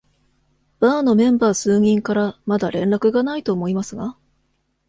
バーのメンバー数人からまだ連絡がないと思いますが？